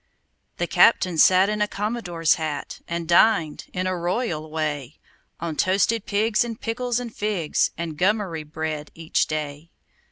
The captain sat in a commodore's hat And dined, in a royal way, On toasted pigs and pickles and figs And gummery bread, each day.